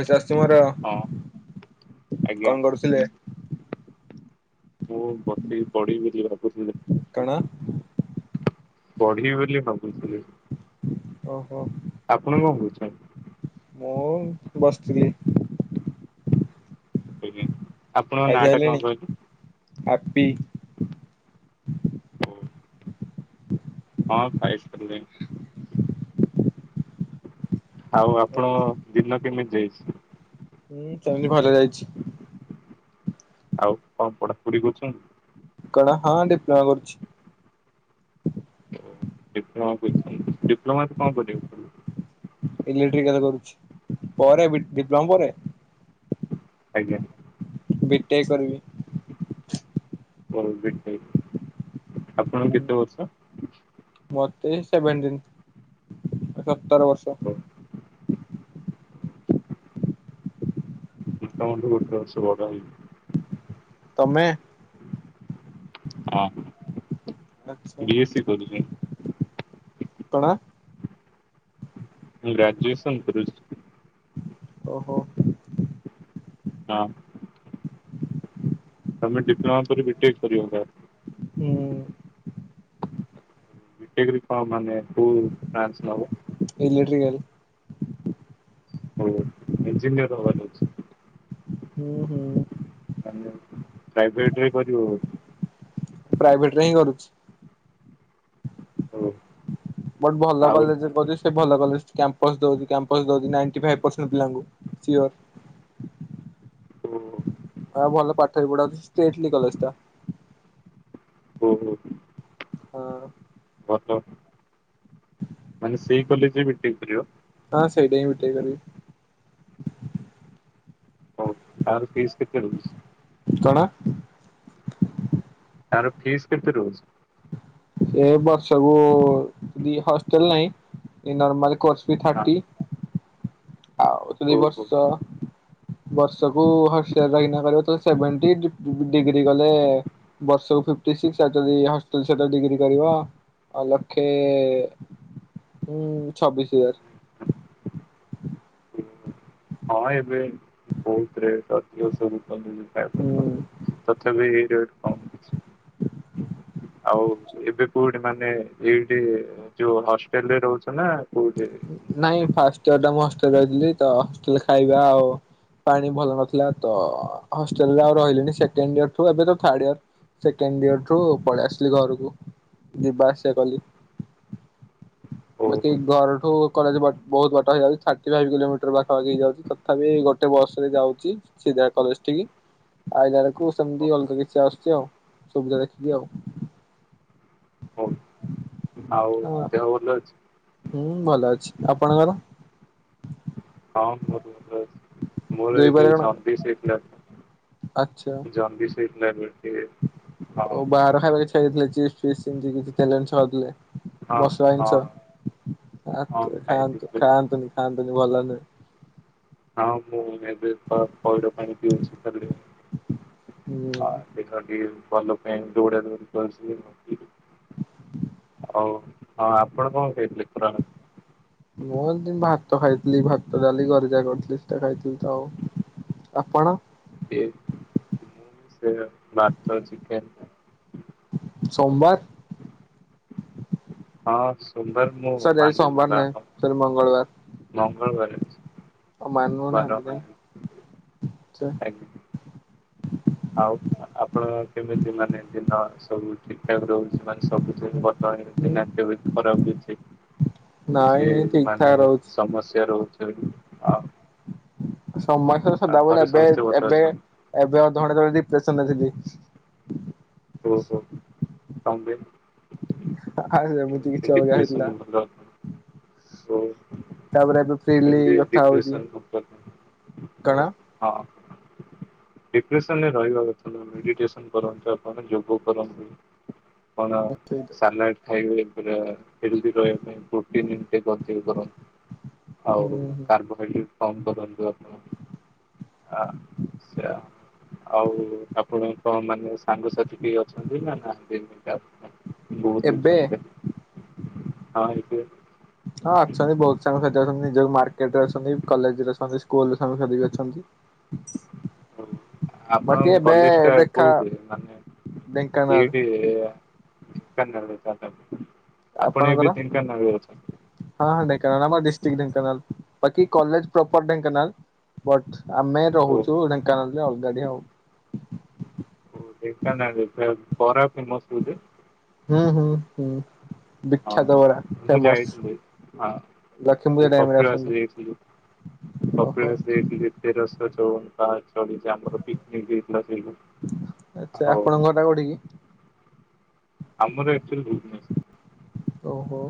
ପଇସା ଆସିଛି ମୋର ହଁ ଆଜ୍ଞା କଣ କରୁଥିଲେ? ମୁଁ ବସିକି ପଢିବି ବୋଲି ଭାବୁଥିଲି। କଣ? ପଢିବି ବୋଲି ଭାବୁଥିଲି। ଓ ହୋ। ଆପଣ କଣ କହୁଛନ୍ତି? ମୁଁ ବସିଥିଲି। ଆଜ୍ଞା। ଆପଣଙ୍କ ନାଁ ଟା କଣ ଖାଇସାରିଲେଣି କହିଲେ? ଆପି? ହଁ ଖାଇସାରିଲିଣି। ଆଉ ଆପଣଙ୍କ ଦିନ କେମିତି ଯାଇଛି? ହୁଁ ସେମିତି ଭଲ ଯାଇଛି। ଆଉ କଣ ପଢାପଢି କରୁଛନ୍ତି? କଣ ହଁ ଡିପଲମା କରୁଛି। ଡିପ୍ଲୋମା କରିଛନ୍ତି ଡିପ୍ଲୋମା ତ କଣ କରିବ? ଇଲେକ୍ଟ୍ରିକାଲ୍ କରୁଛି ପରେ ବି ଡିପ୍ଲୋମା ପରେ? ଆଜ୍ଞା। ବିଟେକ୍ କରିବି। କର ବିଟେକ୍ ଆପଣଙ୍କୁ କେତେ ବର୍ଷ? ମତେ ସେଭେଣ୍ଟିନ ସତର ବର୍ଷ। ହ [inaudible] ମୁଁ ତମଠୁ ଗୋଟେ ବର୍ଷ ବଡ ହେବି। ତମେ। ହଁ ଆଛା ବିଏସ୍ ସି କରୁଚ। କଣ? ମୁଁ ଗ୍ରାଜୁଏସନ୍ କରୁଚି। ଓହୋ। ହଁ। ତମେ ଡିପ୍ଲୋମା କରିିବକି ବିଟେକ୍ କରିବ। ହୁଁ। [unintelligible] ଇଲେଟ୍ରିକାଲ। ହଉ ଇଜିନିୟର ହବାର ଅଛି। ହୁଁ ହୁଁ ପାଭେଇଟ୍ ରେ କରିବ ବୋଧେ। ପ୍ରାଇଭେଟ ରେ ହିଁ କରୁଚି। ହଉ। ବଟ୍ ଭଲ କଲେଜ ପରି ସେ ଭଲ କଲେଜ କ୍ୟାମ୍ପସ ଦଉଛି କ୍ୟାମ୍ପ। [unintelligible] [unintelligible] ଆଉ ଭଲ ପାଠ ବି ପଢାଉଚି ଷ୍ଟେଟିଲି କଲେଜ ଟା। ହୁଁ ହୁଁ। ହଁ। ଅ ହ ମାନେ ସେଇ କଲେଯେରେ ବିଟେକେ କରିବ। ହଁ ସେଇଠିହିଁ ବିଟେକ କରିବି। ହଉ ତାର ଫିସ୍ କେତେ ରହୁଛି? କଣ? ତାର ଫିସ୍ କେତେରହୁଛି? ଏ ବର୍ଷକୁଦି ହଷ୍ଟେଲେ ନାହିଁ ନର୍ମାଲ କୋର୍ସ ବି ହଁ ଥାର୍ଟି। ଆଉଦୁଇ ଓହୋ ବର୍ଷ ବର୍ଷକୁ ହଷ୍ଟେଲରେ ରହିକିନା କରିବ ଜଦି ସେଭେଣ୍ଟି ଦି। ଡିଗ୍ରୀ କଲେ ବର୍ଷକୁ ଫିଫଟି ସିକ୍ସ ଆଉଯଦି ହଷ୍ଟେଲ ସହିତ ଡିଗ୍ରୀ କରିବ। ଆଉ ଲକ୍ଷେ ଉଁ ଛବିଶୀ ହଜାର। ହଁ ଏବେ ବହୁତ ରେଟ ଅଧିକ ସବୁ କଲେଜ ରେ ପ୍ରାଇଭେଟ ହୁଁ। କଲେଜ ରେ। ତଥାପି ରେଟ କମଅଛି। ଆଉ ଏବେ କୋଉଠି ମାନେ ଏଇଠି। ଯୋଉ ହଷ୍ଟେଲରେ ରହୁଛ ନା କୋଉଠି? ମାନେ ନାଇଁ ଫାଷ୍ଟ ଇୟର ଟା ମୁଁ ହଷ୍ଟେଲରେ ରହିଥିଲି ତ ହଷ୍ଟେଲରେ ଖାଇବାଆଉ। ପାଣି ଭଲ ନଥିଲା ତ ହଷ୍ଟେଲ ରେ ଆଉ ରହିଲି ନି ସେକେଣ୍ଡ ଇୟର ଠୁ ଏବେତ ଥାଡେଇୟର୍। ସେକେଣ୍ଡଇୟର୍ ଠୁ ପଳେଇ ଆସିଲିଘରକୁ ଯିବା ଆସିବା କଲି। ବାକି ଘର ଠୁ। କଲେଜ ବହୁତ ବାଟ ହେଇଯାଉଛି ଥାର୍ଟି ଫାଇବ କିଲୋମିଟର ପାଖାପାଖି ହେଇଯାଉଛି ତଥାପି ଗୋଟେ ବସ୍ ରେ ଯାଉଛି। ସିଧା କଲେଜ ଠିକି ଆଇ ଲାବେଳକୁ। କୁ ସେମିତି ଅଲଗା କିଛି ଆସୁଛି ଆଉ ସୁବିଧା ଦେଖିକି ଆଉ। ହୁଁ ଆଉଦେହ ଭଲଅଛି। ହୁଁ ଭଲଅଛି ଆପଣଙ୍କର। ହଁ ବହୁତ ଭଲ ଅଛି ମୋର ଏବେ ଜଣ୍ଡିସ ହେଇଥିଲା ପା। ଆଛା। ଜଣ୍ଡିସ ହେଇଥିଲାଏବେ ଟିକେ। ହଁ ଓ ବାହାର ଖାଇବା କିଛି ହେଇଥିଲା ଚିପ୍ସ୍ ଫିପ୍ସ୍ ଏମିତି କିଛି ତେଲରେ ଛାନ୍ଥିଲେ। ହଁ ମସଲା ହଁ ଜିନିଷ। ଆ ହଁ ତ ଖାଆନ୍ତୁ। ଖାଇଥିଲି ଖାଆନ୍ତୁନି, ଖାଆନ୍ତୁନି ଭଲ ନୁହଁ। ହଁ ମୁଁ ଏବେ ପଇ-ପଇଡ ପାଣି ପିଉଛି, ହେଲେ ହୁଁ। [unintelligible] ହଉ ହଁ ଆପଣ କଣ ଖାଇଥିଲେ ଖରାଅଳେ? ମୁଁ ଏମିତି ଭାତ ଖାଇଥିଲି। ଭାତ, ଡାଲି ଘରେ ଯାହା କରିଥିଲେ ସେଟା ଖାଇଥିଲି ତ ଆଉ। ଆପଣ। ମୁଁ ବି ସେୟା ଭାତ, ଚିକେନ୍। ସୋମବାର ହଁ ସୋମବାର ମୁଁ ସରି ଆଜି ମାନେନି ସୋମବାର ନୁହେଁ ବାର, ସରି ମଙ୍ଗଳବାର ମଙ୍ଗଳବାର ଅଛି। ଆଉ ମୁଁ ବାର ମାନୁନାହାନ୍ତି କାଇଁ। ମାନେନି। ଆଚ୍ଛା ଆଜ୍ଞା। ଆଉ ଆପଣଙ୍କ କେମିତି ମାନେ ଦିନ ସବୁ ଠିକ୍ ଠାକ୍ ରହୁଛି ମାନେ ସବୁିଦିନ। ହୁଁ [unintelligible] କିଛି ନାଇଁ ଏଇ ଠିକ ଠାକ ମାନେ ରହୁଛି ସମସ୍ୟା ରହୁଛି ଆହୁରି ଆଉ। ସମସ୍ୟା ତ ଆଉ ସଦାବେଳେ ଘରେ ଏବେ ସମସ୍ତେ ଭଲ ଏବେ ଅଛନ୍ତି ଏବେ ଅଧଘଣ୍ଟା ତଳେ ଡିପ୍ରେସନରେ ଥିଲି। ଓହୋ କଣ ପାଇଁ? ଏମିତି କେମିତି କିଛି ଅଲଗା ହେଇଥିଲା। ଡିପ୍ରେସନରେ ଗଲେ ଆପଣ? ଓ [unintelligible] ତାପରେ ଏବେ ଫ୍ରିଲି କଥା ହଉଛି ଡିପ୍ରସନରୁ କଣ [unintelligible] ହଁ ଡିପ୍ରେସନରେ ରହିବା କଥା ନୁହଁ, ମେଡିଟେସନ୍ କରନ୍ତୁ। କଣ ଯୋଗ କରନ୍ତୁ। କଣ ହୁଁ ସାନ [unintelligible] ଆଉ କାର୍ବୋହାଇଡ୍ରେଟ କମ୍ କରନ୍ତୁ ଆପଣ। ଆ ସିଆ ଆଉ ଆପଣଙ୍କ ମାନେ ସାଙ୍ଗସାଥି କେହି ଅଛନ୍ତି ନା ନାହାନ୍ତି। ଏବେ [unintelligible] ହଁ ହେଇଥିବ। [inaudible] ହଁ ଅଛନ୍ତି, ବହୁତ ସାଙ୍ଗସାଥି ଅଛନ୍ତି, ଯୋଉ ମାର୍କେଟରେ ଅଛନ୍ତି, କଲେଜରେ ଅଛନ୍ତି, ସ୍କୁଲରେ ସାଙ୍ଗସାଥି ବି ଅଛନ୍ତି। [inaudible] ଓ ବାକି ଆପଣଙ୍କ ଏବେ କଲେଜ ଟା ଦେଖା କୋଉଠି ମାନେ ଢେଙ୍କାନାଳ ଏଇଠି। ଏ ବା ଢେଙ୍କାନାଳରେ। ଆପଣ ଏବେ ଆପଣଙ୍କର ଢେଙ୍କାନାଳରେ ଅଛନ୍ତି। ହଁ ହଁ ଢେଙ୍କାନାଳ। ଆମର ଡିଷ୍ଟ୍ରିଟ୍ ଢେଙ୍କାନଳ, ବାକି କଲେଜ ପ୍ରପର ଢେଙ୍କାନଳ। ବଟ୍ ଆମେ ଓ ରହୁଛୁ ଢେଙ୍କାନାଳରେ ଅଲଗାଡି ଆଉ। ଓ ଢେଙ୍କାନାଳରେ ପରା ବରା ଫେମସ୍ ସେଠି। ହୁଁ ହୁଁ ହୁଁ। ହଁ ବିଖ୍ୟାତ ବରା ମୁଁ ଫେମସ୍। ଯାଇଥିଲି ହଁ ଲକ୍ଷ୍ମୀପୂଜା ମୁଁ ଟାଇମ୍ ରେ କପିଳାସ ଆସନ୍ତୁ। ଯାଇଥିଲି। ଓହୋ କପିଳାସ ଯାଇଥିଲେ। ତେରଶହ ଚଉବନ ପାହାଡ ଚଢିଛି। ଆମର ପିକନିକ୍ ହେଇଥିଲା ସେଇ ଆଚ୍ଛା। ଆପଣଙ୍କର ଘରଟା କୋଉଠି କି? ଆମର ଆକ୍ଚୁଆଲି ଭୁବନେଶ୍ୱର। ଓହୋ।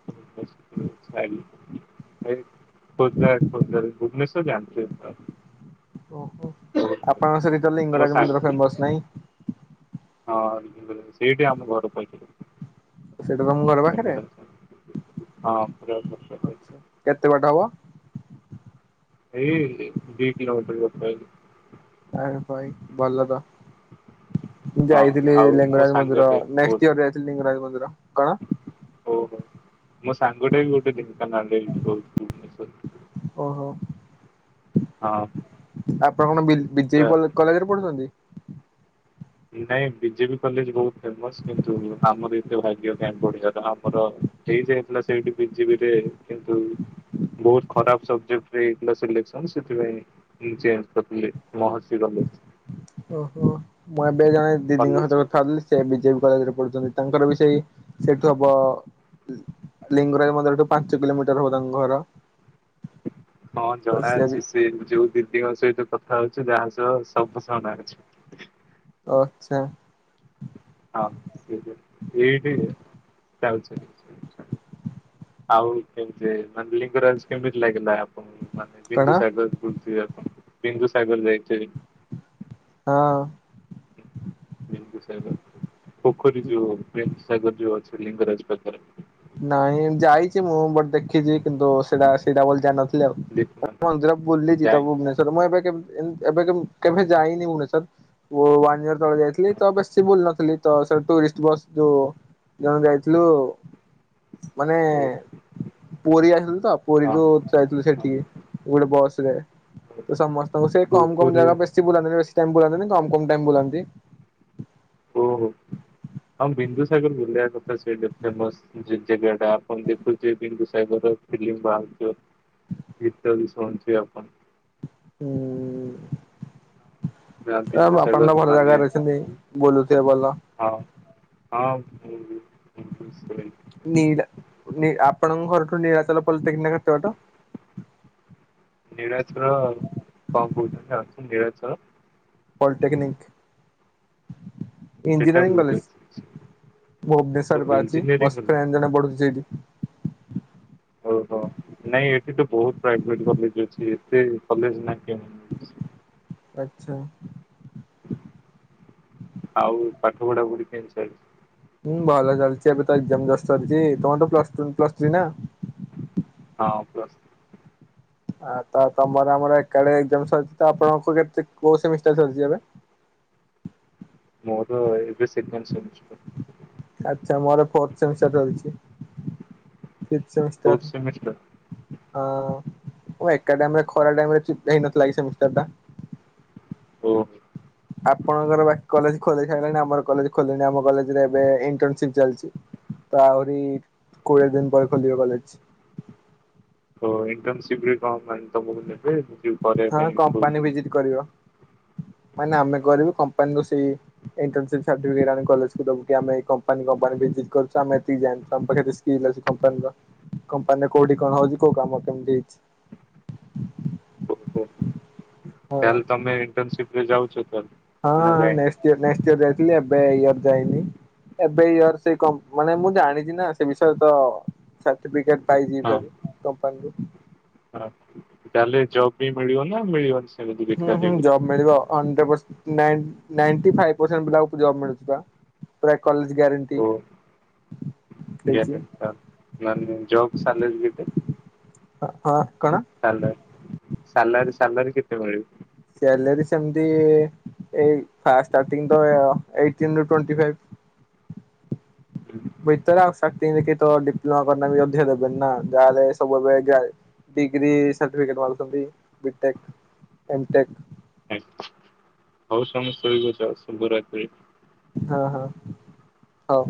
[unintelligible] ଖୋର୍ଦ୍ଧା, ଖୋର୍ଦ୍ଧାରେ ଭୁବନେଶ୍ୱର। ସିଏ ଜାଣିଥିବେ ବା। ଓହୋ ଆପଣଙ୍କ ସେଠି ତ ମୋ ଲିଙ୍ଗରାଜ ମନ୍ଦିର ସାଙ୍ଗ ଫେମସ୍ ନାହିଁ। ହଁ ସେଇଠି ଆମ ଘର ପାଇଥିଲି। ସେଇଟା ତଙ୍ଗର ଆଛା [inaudible] କେତେ ବାଟ ହବ? ଏଇ ଦି କିିଲୋମିଟର ର ଆରେ ଭାଇ ଭଲ ତ? ମୁଁ ହଁ ଯାଇଥିଲି ଆଉ ମୋ ଲିଙ୍ଗରାଜ ମନ୍ଦିର ସାଙ୍ଗଟେ ଓ ନେଷ୍ଟ ଇୟର ଯାଇଥିଲି ଲିଙ୍ଗରାଜ ମନ୍ଦିର କଣ? ଓହୋ ମୋ ସାଙ୍ଗଟା ବି ଗୋଟେ ଢେଙ୍କାନାଳ ରହୁଛି ଭୁବନେଶ୍ଵର। ଓହୋ ହଁ ଆପଣ କଣ ବି ତା ବିଜେପି ପଟରେ? କଲେଜରେ ପଢ଼ୁଛନ୍ତି? ନାଇଁ ବିଜେପି କଲେଜ ବହୁତ ଫେମସ କିନ୍ତୁ ଆମର ଏତେ ଭାଗ୍ୟ କାଇଁ ଓଡିଆାର ଆମର ହେଇଯାଇଥିଲା ସେଇଠି ବିଜେପିରେ କିନ୍ତୁ ବହୁତ ଖରାପ ସବଜେକ୍ଟରେ ହେଇଥିଲା ସିଲେକ୍ସନ ସେସଥିପାଇଁ ଚେଞ କରିଥିଲି ମହର୍ଷି କଲେଜ। ଓହୋ ମୁଁ ଏବେ ଜଣେ ଦିଦିଙ୍କ କଲେଜ ସହିତ କଥା ହେଉଥିଲି। ସେ ବିଜେପି କଲେଜରେ ପଢୁଛନ୍ତି। ତାଙ୍କର ବି ସେଇ ସେଇଠୁ ହବ ଲିଙ୍ଗରାଜ ମନ୍ଦିରଠୁ ପାଞ୍ଚ କିଲୋମିଟର ହବ ତାଙ୍କ ଘର। ହଁ ତ ବି ଜଣାଅଛି ସେ ଯୋଉ ଦିଦିଙ୍କ ସହିତ କଥା ହଉଛି ଯାହା ସହ ସବୁ ଜଣାଅଛି। ଓ, ଆଚ୍ଛା [inaudible] ଆଉ କେମିତି ମାନେ ଲିଙ୍ଗରାଜ କେମିତି ଲାଗିଲା? ମାନେ କଣ ବିନ୍ଦୁ ସାଗର ବୁଲି ଯିବାକୁ, ବିନ୍ଦୁ ସାଗର ଯାଇଥିଵେ। ହଁ ବିନ୍ଦୁସାଗର ପୋଖରୀ ଯଉ। ବିନ୍ଦୁସାଗର ଯଉ ଅଛି ଲିଙ୍ଗରାଜ ପାଖରେ। ନାଇଁ ଯାଇଛି ମୁଁ ବଟେ ଦେଖିଛି କିନ୍ତୁ ସେଇଟା ସେଇଟା ବୋଲି ଜାଣିନଥିଲି। ଆ ଦେଖୁନ ମନ୍ଦିର ବୁଲିଛି ତ ଯାଇନି ସବୁ ଭୁବନେଶ୍ୱର ମୁଁ ଏବେ କେତେ ଏବେ କେ କେବେ ଯାଇନି ମୁୁଣି ସାର୍ ୱନ୍ ଇୟର ତଳେ ଯାଇଥିଲି ତ ବେଶୀ ଭୁଲ ନଥିଲି ତ ସେ ଟୁରିଷ୍ଟ ବସ୍ ଯୋଉ ଜଣ ଯାଇଥିଲୁ ମାନେ ପୁରୀ ଆସିଥିଲୁ ତ ପୁରୀରୁ ଯାଇଥିଲୁ ସେଠିକି ଗୋଟେ ବସ ରେ ତ ସମସ୍ତଙ୍କୁ ସେ କମ କମ କୁୁରକୁରେ ଜାଗା ବେଶୀ ବୁଲାନ୍ତିିନି ବେଶୀ ଟାଇମ ବୁଲାନ୍ତିନି କମ କମ ଟାଇମ ବୁଲାନ୍ତି। ଓହୋ ଆମ ବିନ୍ଦୁସାଗର ବୁଲିବା କଥା ସେଇଟା ଫେମସ। ଯେ ଜାଗା ଟା ଆପଣ ଦେଖୁଥିବେ ବିନ୍ଦୁ ସାଗର ଫିଲ୍ମ ବାହାରିଥିଵ। ଗୀତ ଶୁଣିଥିଵେ ଆପଣ। ହୁଁ ଆ, ଯା ହେଉ ଆପଣ ବିନ୍ଦୁସାଗର ତ ଭଲ ମାନେ ଜାଗାରେ ରହିଛନ୍ତି ବୋଲୁଥିବେ ଭଲ। ହଁ ହଁ ନୀଳ୍ ଆପଣଙ୍କ ଘରଠୁ ନୀଳାଚଳ ପଲିଟେକ୍ନିକ କେତେବାଟ? ନୀଳଚଳ କଣ କହୁଛନ୍ତି ନୀଳଚଳ? ପଲିଟେକ୍ନିକ ସେଟା ଇଞ୍ଜିନିୟରିଂ ଭୁଲି କଲେଜ ଯାଇଛି ତ ଭୁବନେଶ୍ଵରରେ ବା ଅଛି ମୋ ଇଞ୍ଜିନିୟରିଂ କଲେ ଫ୍ରେଣ୍ଡ ଜଣେ ପଢୁ ସେଇଠି। ଓହୋ ନାଇଁ ଏଠି ତ ବହୁତ ପ୍ରାଇଭେଟ କଲେଜ ଅଛି ଏତେ କଲେଜ ନା କେ ଆଚ୍ଛା ଆଉ ପାଠ ପଢା ପଢି କେମିତି ଚାଲିଛି। ହୁଁ ଭଲ ଚାଲିଛି ଏବେତ ଏକଜାମ ଜଷ୍ଟ ସରିତି ତମରତ ପ୍ଲସ ଟୁ ପ୍ଲସ ଥ୍ରୀନା ହଁ ପ୍ଲସ ଆ ତ ତମର ଆମର ଏକାଡେ ଏକଜାମ ସରିଛିତ ଆପଣଙ୍କୁ [unintelligible] କୋଉ ସେମିଷ୍ଟାର ସରିଚି ଏବେ ମୋର ଏବେ ସେକେଣ୍ଡ ସେମିଷ୍ଟାର। ଆଚ୍ଛା ମୋର [unintelligible] ହଁ ଓ ଏକା ଟାଇମରେ ଫୋର୍ଥ ସେମିଷ୍ଟର ଖରା ଟାଇମରେ ଚିଟ ହେଇନଥିଲାକି ସେମିଷ୍ଟାରଟା। ଓ। ଆପଣଙ୍କର ବାକି କଲେଜ ଖୋଲି ସାଇଲାଣି ଆମର କଲେଜ ଖୋଲିନି ଆମ କଲେଜରେ ଏବେ ଇଣ୍ଟର୍ନସିପ ଚାଲିଚି। ତ ଆହୁରି କୋଡ଼ିଏ ଦିନ ପରେ ଖୋଲିିବ କଲେଜ। ଓ ଇଣ୍ଟର୍ନସିପରେ କଣ ମାନେ ତମକୁ ନେବେ ଯି ହଁ କମ୍ପାନୀ ଭିଜିଟ କରିବ ମାନେ ଆମେ ଅ, କରିବୁ କମ୍ପାନୀକୁୁ ସେଇ ଇଣ୍ଟର୍ନସିପ ସାର୍ଟିଫିକେଟ ଆଣିକି କଲେଜକୁ ଦେବୁକି ଆମେ ଏଇ କମ୍ପାନୀ କମ୍ପାନୀ ଭିଜିଟ କରୁଚୁ ଆମେ ଏତିକି ଜାଣିଚୁ ଆମ ପାଖରେ ରିସ- ଇଲେଜ କମ୍ପାନୀର କମ୍ପାନୀ କୋଉଠି କଣ ହଉଚି କୋଉ କାମ କେମିତି ହେଇଚି। ଓ ହଁ ତାହେଲେ ତମ ଇଣ୍ଟର୍ନସିିପରେ ଯାଉଚ ତାନେ। ହଁ ନେଷ୍ଟେ ଇୟର ନେଷ୍ଟେ ଇୟର ଯାଇଥିଲି ଏବେ ଇୟର ଯାଇନି। ଏବେ ଇୟର ସେ କମ୍ପ ମାନେ ମୁଁ ଜାଣିଚିନା ସେ ବିଷୟରେତ ସାର୍ଟିଫିକେଟ ପାଇଚି ହଁ ଥରେ କମ୍ପାନୀରୁୁ। ହଁ ତାହେଲେ ଜବବି ମିଳିବନା ମିଳିବନି। ସେମିତି ହୁଁ ବେକାରରେ ହୁଁ ଜବ ମିଳିବ hundred percent nine ninety five percent ମିଳୁଚିପା। ପୁରା କଲେଜ ଗ୍ୟାରେଣ୍ଟି। ଓ [unintelligible] ଦେଇଛି ଜବ ଚାଲେରି କେତେ? ଅ ହଁ କଣ? ହାଲୋ ସାଲାରୀ ସାଲାରୀ କେତେ ମିଳିବ? ସ୍ୟାଲାରୀ ସେମିତି ଏଇ ଫାଷ୍ଟ ଷ୍ଟାଟିଙ୍ଗତ ଏଇଟିନରୁ ଟୋଣ୍ଟି ଫାଇବ। ବିଚରା ଓ ଶକ୍ତି [unintelligible] ଡିପ୍ଲୋମା କରିନାହାନ୍ତି ବି ଅଧିକା ଦେବେନିନା ଯାହେଲେ ସବୁଏବେ ଗାଏ। ଡିଗ୍ରୀ ସାର୍ଟିଫିକେଟ ମାଗୁଛନ୍ତି ବିଟେକ ଏମଟେକ। ଆଚ୍ଛା ହଉ ତମେ ସୋଇବ ଯାଅ ଶୁଭରାତ୍ରି। ହଁ ହଁ ହଉ